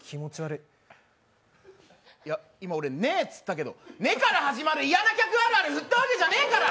いや、今、俺、ねえっつったけど、ねから始まるあるあるじゃねえから。